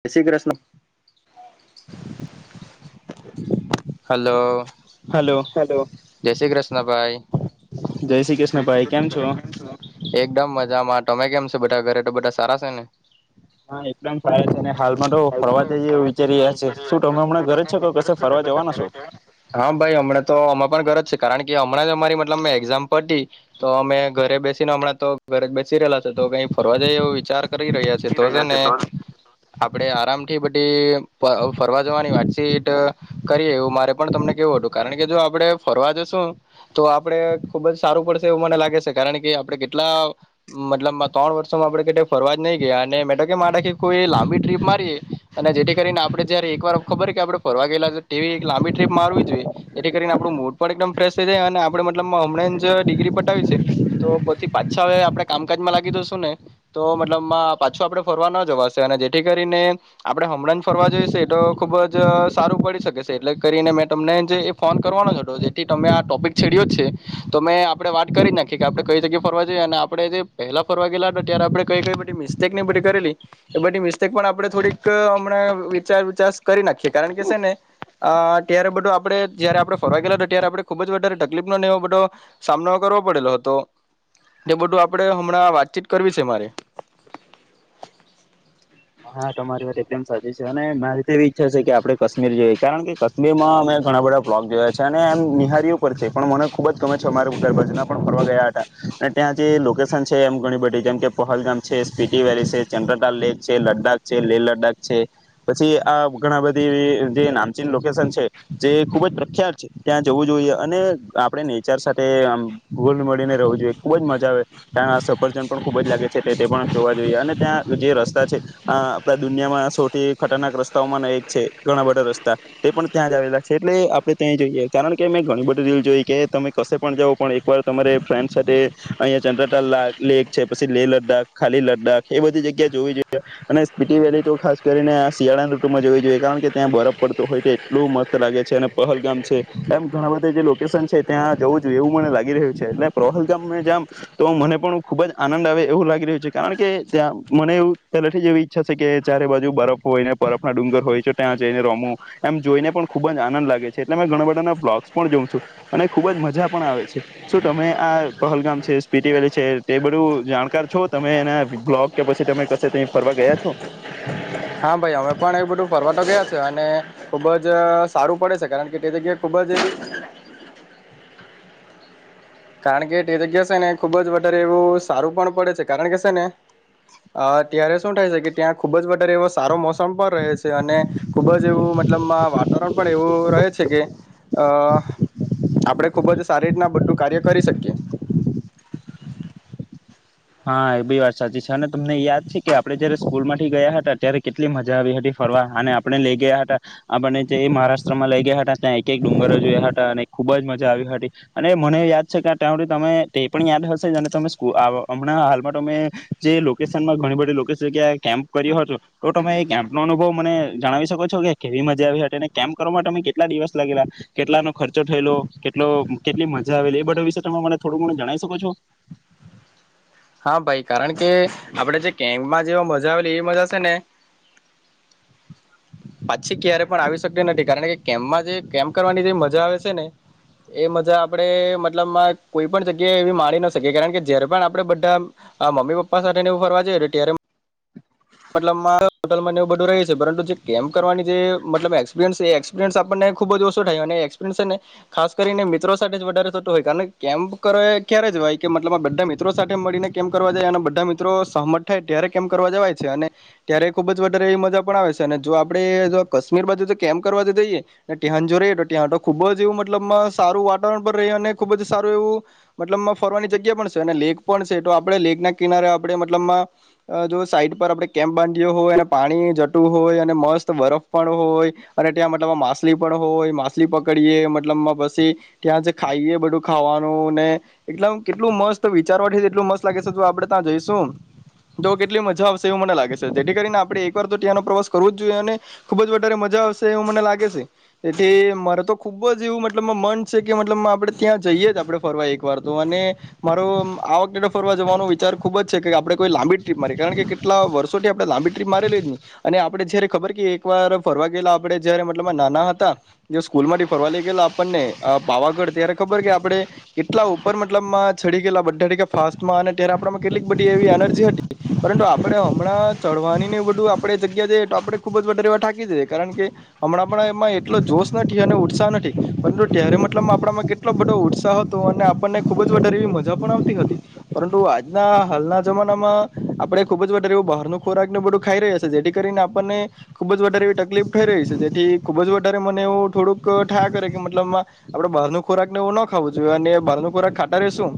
જય Shri Krishna hello hello જય શ્રી કૃષ્ણભાઈ જય શ્રી કૃષ્ણ ભાઈ કેમ છો. એકદમ મજામાં તમે કેમ છો બધા ઘરે તો બધા સારા છે ને હા એકદમ સાર છે અને હાલમાં તો ફરવા જઈએ એવુ વિચારી રહ્યા છે શું તમે હમણાં ઘરે જ છો કે કશે ફરવા જવાના છો. હા ભાઈ હમણાં તો અમે પણ ઘરે જ છે કારણ કે હમણાં જ અમારી મતલબ મેં એક્ઝામ પતી તો અમે ઘરે બેસીને હમણાં તો ઘરે બે સી રેલા છે તો કઈ ફરવા જાય એવો વિચાર કરી રહ્યા છે તો છે ને આપડે આરામથી તે ફર ફરવા જવાની વાતચીત કરીએ એવું મારે પણ તમને કેવું હતું કારણ કે જો આપણે ફરવા જશું તો આપડે ખુબ જ સારું પડશે એવું મને લાગે છે કારણ કે આપણે કેટલા મતલબ ત્રણ વર્ષોમાં આપે કેથે ફરવા જ નહી ગયા અને મેતો કેમ આ ડાખી કોઈ લાંબી ટ્રીપ મારીએ અને જેથી કરીને આપડે જયારે એક વાર ખબર કે આપણે ફરવા ગયેલા તેવી એક લાંબી ટ્રીપ મારવી જોઈએ જેથી કરીને આપણું મૂડ પણ એકદમ ફ્રેશ થઈ જાય અને આપણે મતલબમાં હમણાં જ ડિગ્રી પટાવી છે તો પછી પાછા હવે આપણે કામકાજમાં લાગી જશું ને તો મતલબ પાછો આપણે ફરવા ન જવાશે અને જેથી કરીને આપણે હમણાં જ ફરવા જોઈશ તો ખૂબ જ સારું પડી શકે છે એટલે કરીને મેં તમને જે એ ફોન કરવાનો જ હતો જેથી તમે આ ટોપિક છેડ્યો જ છે તો મેં આપણે વાત કરી નાખી કે આપણે કઈ જગ્યા ફરવા જઈએ અને આપણે જે પહેલા ફરવા ગયેલા હતા ત્યારે આપણે કઈ કઈ બધી મિસ્ટેક નહી બધી કરેલી એ બધી મિસ્ટેક પણ આપણે થોડીક હમણાં વિચાર વિચાર કરી નાખીએ કારણ કે સે ને અ ત્યારે બધું આપડે જયારે આપડે ફરવા ગેલા ત્યારે આપણે ખુબ જ વધારે તકલીફનો ને એવો બધો સામનો કરવો પડેલો હતો એ બધું આપણે હમણાં વાતચીત કરવી છે મારે હા તમારી વાત એકદમ સાચી છે અને મારી તો એવી ઈચ્છા છે કે આપણે કશ્મીર જોઈએ કારણ કે કશ્મીરમાં અમે ઘણા બધા વલોગ જોયા છે. અને એમ નિહારીઓ પર છે પણ મને ખુબ જ ગમે છે અમારા બાજના પણ ફરવા ગયા હતા અને ત્યાં જે લોકેશન છે એમ ઘણી બધી જેમ કે પહલગામ છે સીટીવેલી છે ચંદ્રતા લેક છે લદ્દાખ છે લેહ લદ્દાખ છે પછી આ ઘણા બધી જે નામચીન લોકેશન છે જે ખુબ જ પ્રખ્યાત છે. ત્યાં જવું જોઈએ અને આપણે નેચર સાથે ગોલ મળીને રહેવું જોઈએ ખુબ જ મજા આવે ત્યાં સફરજન પણ ખુબ જ લાગે છે તે પણ જોવા જઈએ અને ત્યા જે રસ તા છે આપણા દુનિયામાં સૌથી ખતરનાક રસ્તાઓમાં નો એજ છે ઘણા બધાં રસ્તા તે પણ ત્યાજ આવેલા છે એટલે આપડે ત્યાં જઈએ કારણ કે મે ઘણી બધી રીલ જોઈ કે તમે કસે પણ જાવો પણ એકવાર તમારે ફ્રેન્ડ સાથે અહીંયા ચંદ્રટાલ લેક છે પછી લે લદ્દાખ ખાલી લદ્દાખ એ બધી જગ્યા જોવી જોઈએ. અને સ્પીટી વેલી તો ખાસ કરીને શિયાળાની ઋતુમાં જોવી જોઈએ કારણ કે ત્યાં બરફ પડતો હોય તો એટલું મસ્ત લાગે છે અને પહલગામ છે એમ ઘણા બધા જે લોકેશન છે ત્યાં જોવું જોઈએ એવું મને લાગી રહ્યું છે એટલે પહલગામ મે જામ એટલે તો મને પણ ખૂબ જ આનંદ આવે એવું લાગી રહ્યું છે કારણકે ત્યાં મને એવું પેલેથી જ એવી ઈચ્છા છે કે ચારે બાજુ બરફ હોય ને બરફ ના ડુંગર હોય તો ત્યાં જાયને રમું એમ જોઈને પણ ખૂબ જ આનંદ લાગે છે એટલે મેં ઘણા બધાના વલોગ્સ પણ જોઉં છુ અને ખૂબ જ મજા પણ આવે છે શું તમે આ પહલગામ છે સ્પીટી વેલી છે તે બધું જાણકાર છો તમે એના બ્લોગ કે પછી તમે કશે તય ફરવા ગયા છો? હા ભાઈ અમે પણ એ બધું ફરવાતો ગયા છે અને કારણ કે તે જગ્યા સે ને ખુબ જ વધારે એવું સારું પણ પડે છે કારણકે સે ને અ ત્યારે શું થાય સે ત્યાં ખૂબ જ વધારે એવો સારો મોસમ પણ રહે છે અને ખૂબ જ એવું મતલબમાં વાતાવરણ પણ એવું રહે છે કે અ આપડે ખૂબ જ સારી રીતના બધું કાર્ય કરી શકીએ. હા એ બી વાત સાચી છે અને તમને યાદ છે કે આપણે જયારે સ્કૂલ માંથી ગયા હતા ત્યારે કેટલી મજા આવી હતી ફરવા અને આપણને લઈ ગયા હતાં આપણને જે હમણાં હાલમાં તમે જે લોકેશન માં ઘણી બધી લોકેશ જગ્યા કેમ્પ કર્યો હતો તો તમે એ કેમ્પનો અનુભવ હા ભાઈ કારણ, આ મમ્મી પપ્પા સાથે નેવું ફરવા જઈએ તો ત્યારે, મતલબમાં હોટલને એવું બધું માં રેય છે. અને ત્યારે ખુબ જ વધારેવી એવી મજા પણ આવે છે. અને જો આપડે જો કાશ્મીર બાજુ જો કેમ્પ કરવા જઈએ અને ત્યાં જ જો રહીએ. પર આપડે કેમ્પ બાંધ્યો હોય અને પાણી જટું હોય અને મ અસલી પકડીએ મતલબમાં પછી ત્યાં જે ખાઈએ બધું ખાવાનું ને એટલમ કેટલું મસ્ત વિચારવાથી એટલું મસ્ત લાગે સે જો આપડે ત્યાં જઈશું તો કેટલી મજા આવશે. એવું મને લાગે છે જેથી કરીને આપણે એકવાર તો ત્યાંનો પ્રવાસ કરવો જ જોઈએ અને ખુબ જ વધારે મજા આવશે એવું મને લાગે છે તેથી મારે તો ખુબ જ એવું મતલબમાં મન છે કે મતલબમાં આપડે ત્યાં જઈએ જ આપણે ફરવા એકવાર તો અને મારો આ વખતે ફરવા જવાનો વિચાર ખુબ જ છે કે આપણે કોઈ લાંબી ટ્રીપ મારી કારણ કે કેટલા વર્ષોથી આપણે લાંબી ટ્રીપ મારેલી અને આપણેે જયારે ખબર કે એક વાર ફરવા ગેલા આપડે જયારે મતલબ નાના હતા જે સ્કૂલ માંથી ફરવા લઈ ગેલા આપણને પાવાગઢ ત્યારે ખબર કે આપણે કેટલા ઉપર મતલબમાં છડી ગયેલા બધા થી કા ટફાસ્ટમાં અને ત્યારે આપડા માં કેટલીક બધી એ એનર્જી હતી પરંતુ આપણે હમણાં ચઢવાની ને એ બધું આપણે જગ્યા જઈએ તો આપણે ખુબ જ વધરેવા થાકી જઈએ કારણ કે હમણાં પણ એમાં એટલો જોશ નથી અને ઉત્સાહ નથી પરંતુ ત્યારે મતલબ આપણામાં કેટલો બધો ઉત્સાહ હતો અને આપણને ખુબ જ વધારે એવી મજા પણ આવતી હતી પરંતુ આજના હાલના જમાનામાં આપણે ખુબ જ વધારે એવું બહારનું ખોરાક ને એવું બધું ખાઈ રહ્યા છે જેથી કરીને આપણને ખુબ જ વધારે એવી તકલીફ થઈ રહી છે જેથી ખુબ જ વધારે મને એવું થોડુંક થાયા કરે કે મતલબ આપણેે બહારનો ખોરાક ને એવું ન ખાવું જોઈએ અને બહાર નો ખોરાક ખાટા રહે શું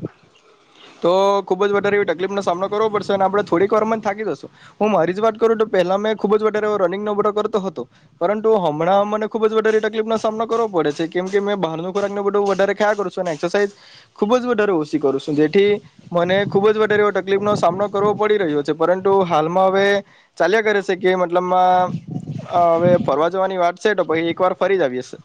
તો ખુબ જ વધારે એવી તકલીફનો સામનો કરવો પડશે અને આપણે થોડીક વાર માં જ થાકી જસુ હું મારી જ વાત કરું તો પહેલા મેં ખુબ જ વધારે ઓ રનિંગ નો બધો કરતો હતો પરંતુ હમણાં મને ખુબ જ વધારે તકલીફ નો સામનો કરવો પડે છે કેમ કે મેં બહારનો ખોરાક નો બધો વધારે ખયા કરું છું અને એક્સરસાઇઝ ખુબ જ વધારે ઓસી કરું સુ જેથી મને ખુબ જ વધારે એવો તકલીફ નો સામનો કરવો પડી રહ્યો છે પરંતુ હાલમાં હવે ચાલ્યા કરે છે કે મતલબમાં અ હવે ફરવા જવાની વાત સે તો પહિ એક વાર ફરી જ આવી શું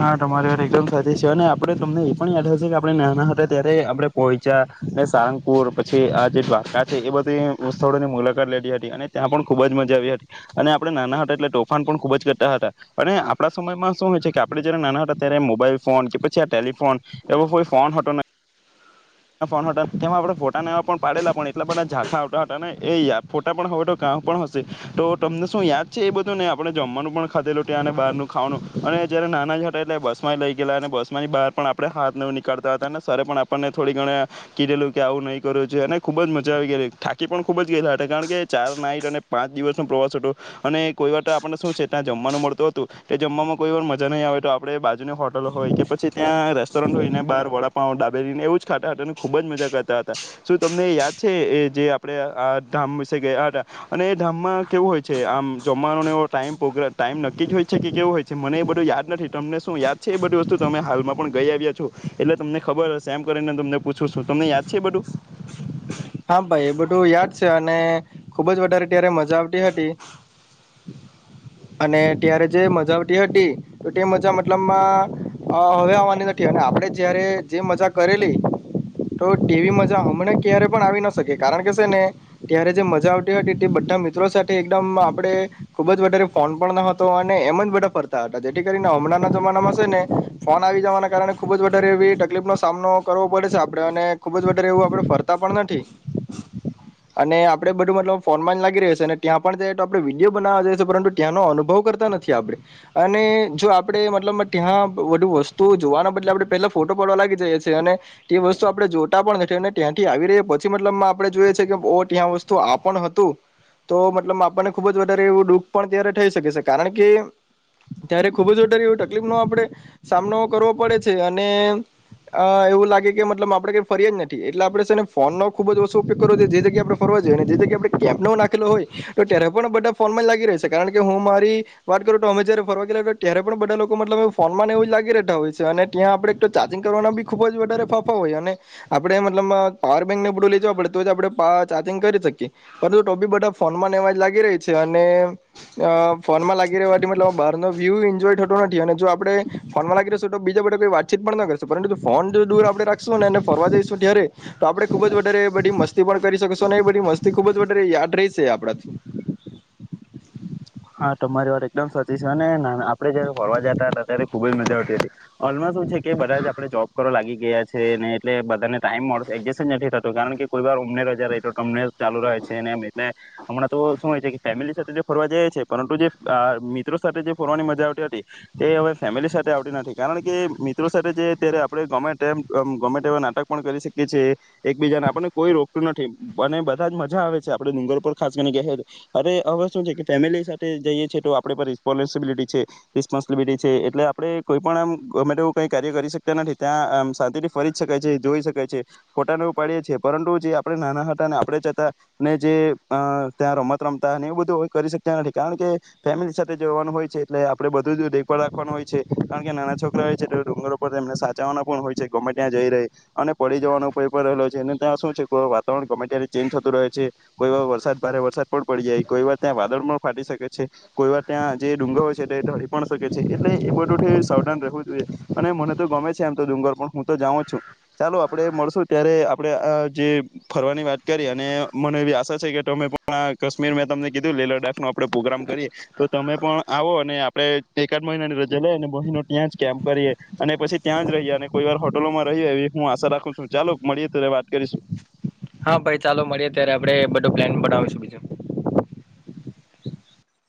હા તમારી વાર એકદમ સાચી છે અને આપડે તમને એ પણ યાદ હશે કે આપણે નાના હતા ત્યારે આપણે પોઇચા ને સારંગપુર પછી આ જે દ્વારકા છે એ બધું સ્થળોની મુલાકાત લેધી હતી અને ત્યાં પણ ખુબ જ મજા આવી હતી અને આપણે નાના હતા એટલે તોફાન પણ ખુબ જ કરતા હતા અને આપણા સમયમાં શું હોય છે કે આપડે જ્યારે નાના હતાત્યારે મોબાઈલ ફોન કે પછી આ ટેલિ ફોન એવો કોઈ ફોન હતો નઈ ફોન હતા તેમાં આપણે ફોટા ને એવા પણ પાડેલા પણ એટલા બધા ઝાંખા આવતા હતા એ યા ફોટા પણ હવે તો કાં પણ હશે તો તમને શું યાદ છે એ બધું ને આપણેે જમવાનું પણ ખાધેલું ત્યાં અને બારનું ખાવાનું અને જ્યાંરે નાના જ હતા એટલે બસમાં લઈ ગયલા અને બસમાંની બહાર પણ આપણે હાથ ને એવું નીકળતા હતા અને સરે પણ આપણને થોડી ઘણે કીધેલું કે આવું નહીં કરવુ જોઈએ અને ખૂબ જ મજા આવી ગયલી થાકી પણ ખૂબ જ ગયેલા હતા કારણ કે ચાર નાઇટ અને પાંચ દિવસનો પ્રવાસ હતો અને કોઈ વાર તો આપણે શું છે ત્યાં જમવાનું મળતું હતું તે જમવામાં કોઈ વાર મજા નહીં આવેય તો આપણે બાજુની હોટલ હોય કે પછી ત્યાં રેસ્ટોરન્ટ હોય ને બહાર વડાપાવ દાબેલી ને એવું જ ખાતા હતા અને ખૂબ જ મજા કરતા હતા શું તમને યાદ છે એ જે આપણે આ ધામ વિશે ગયા હતા અને એ ધામમાં કેવું હોય છે આમ જમવાનોને એવો ટાઈમ પોગ્ર ટાઈમ નક્કી જ હોય છે કેવું હોય છે મને એ બધું યાદ નથી તમને શું યાદ છે એ બધી વસ્તુ તમે હાલમાં પણ ગઈ આવ્યા છો એટલે તમને ખબર હશે એમ કરીને તમને પૂછું છું તમને યાદ છે એ બધું? ખુબ જ વધારે ત્યારે મજા આવતી હતી અને ત્યારે જે મજા આવતી હતી તો તે મજા મતલબમાં હવે આવવાની નથી અને આપડે જયારે જે મજા કરેલી તો તેવી મજા હમણા ક્યારે પણ આવી ના શકે કારણ કે સે ને ત્યારે જે મજા આવતી હતી તે બધા મિત્રો સાથે એકદમ આપણે ખુબ જ વધારે ફોન પણ ન હતો અને એમ જ બધા ફરતા હતા જેથી કરીને હમણાંના જમાનામાં સે ને ફોન આવી જવાના કારણે ખુબ જ વધારે એવી તકલીફનો સામનો કરવો પડે છે આપડે અને ખુબ જ વધારે એવું આપણે ફરતા પણ નથી અને આપડે બધું મતલબ ફોનમાં જ લાગી રહે સે અને ત્યાં પણ જોઈએ તો આપણે વિડીયો બનાવવા જઈ પરંતુ ત્યાંનો અનુભવ કરતા નથી આપણે અને જો આપડે મતલબમાં ત્યાં વધુ વસ્તુ જોવાના બદલે આપણે પેલા ફોટો પાડવા લાગી જઈએ છે અને તે વસ્તુ આપણે જોતા પણ નથી અને ત્યા [unintelligible] પછી મતલબ આપણે જોઈએ છે કે ઓ ત્યાં વસ્તુ આપણ હતું તો મતલબ આપણને ખુબ જ વધારે એવું દુઃખ પણ ત્યારે થઈ શકે સે કારણ કે ત્યારે ખુબ જ વધારે એવ તકલીફ નો આપણે સામનો કરવો પડે છે અને અ એવું લાગે કે મતલબ આપણે કઈ ફરિયા જ નથી એટલે આપણે છે ને ફોન નો ખુબ જ ઓછો ઉપયોગ કરો જે જગ્યા આપણે ફરવા જઈએ જે જગ્યા આપણે કેપ નો નાખેલો હોય તો ત્યારે પણ બધા ફોનમાં જ લાગી રહે છે કારણ કે હું મારી વાત કરું તો અમે જયારે ફરવા ગેલા ઉતા ત્યારે પણ બધા લોકો મતલબમા ફોનમા ને એવું જ લાગી રહેતા હોય છે અને ત્યાં આપણેે એક તો ચાર્જિંગ કરવાના બી ખુબ જ વધારે ફાંફા હોય અને આપણે મતલબમા પાવર બેંકને બધુ લે જવા પડે તો એ જ આપણે પા ચાર્જિંગ કરી શકીએ પરંતુ ટોબી બધા ફોનમાંને એવા જ લાગી રહી છે અને અ ફોનમાં લાગી રહેવાથી મતલબ બારનો વ્યુ એન્જોય થતો નથી અને જો આપણે ફોનમાં લાગી રહેશું તો બીજા બધા ને વાતચીત પણ ન કરીશું પરંતુ જો ફોન જો દૂર આપણે રાખશું ને ને ફરવા જઈશું ત્યારે તો આપડે ખુબજ વધારે બધી મસ્ત તી પણ કરી શકશો ને એ બધી મસ્ત તે ખૂબ જ વધારે યાદ રહીશે આપણાથી હા તમારી વાત એકદમ સાચી છે અને ના ના આપડે જયારે ફરવા જતા હતા ત્યારે ખૂબ જ મજા આવતી હતી ઓલમાં શું છે કે બધા જ આપણે જોબ કરવા લાગી ગયા છે ને એટલે બધાને ટાઈમ મળશે એડજસ્ટ જ નથી થતો કારણ કે કોઈવાર અમને રજા રેય તો તમને ચાલુ રહે છે ને એમ એટલે હમણાં તો શું હોય છે કે ફેમિલી સાથે જો ફરવા જાય છે પરંતુ જે આ મિત્રો સાથે જે ફોરવાની મજા આવતી હતી તે હવે ફેમિલી સાથે આવતી નથી કારણ કે મિત્રો સાથે જે અત્યારે આપણે ગમેતેમ આમ ગમેતેવા નાટક પણ કરી શકીએ છે એકબીજાને આપણને કોઈ રોકતું નથી અને બધા જ મજા આવે છે આપડે ડુંગર પર ખાસ કરીને ઘેહેર અરે હવે શું છે કે ફેમિલી સાથ તે જઈએ છે તો આપણેે પર રિસ્પોન્સિબિલિટી છે રિસ્પોન્સિબિલિટી છે એટલે આપણે કોઈ પણ આમ ગમેતેવુ કઈ કાર્ય કરી શકતા નથી ત્યાં આમ શાંતિથી ફરી જ શકાય છે જોઈ શકાય છે ફોટાને એવુ પાડીએ છીએ પરંતુ જે આપણે નાના હતા ને આપણે જ હતા ને જે અ ત્યાં રમત રમતા અને એવું બધું અવે કરી શકતા નથી. કારણ કે ફેમિલી સાથે જોવાનું હોય છે એટલે આપણે બધું જ દેખભાળ રાખવાનું હોય છે કારણકે નાના છોકરા હોય છે તો ડુંગરો પર એમને સાચવવાના પણ હોય છે ગમે ત્યાં જઈ રહે અને પડી જવાનું ભઈ પણ રહેલો છે અને ત્યાં શું છે કોય વાતાવરણ ગમે તયારે ફરી શકે છે કોઈ વાર ત્યાં જે ડુંગર હોય છે તે ઢળી પણ શકે છે એટલે એ બધુંથી સાવધાન આપડે પોગ્રામ કરીએ તો તમે પણ આવો અને આપણે એકાદ મહિનાની રજા લઈ અને મહિનો ત્યાં જ કેમ્પ કરીએ અને પછી ત્યાં જ રહીએ અને કોઈવાર હોટલોમાં રહીએ એવી હું આશા રાખું છું ચાલો મળીએ ત્યારે વાત કરીશું [inaudible] [inaudible]